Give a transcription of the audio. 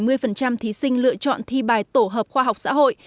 trong đó có hơn bảy mươi thí sinh lựa chọn thi bài tổ hợp khoa học xã hội